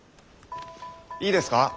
いいですか？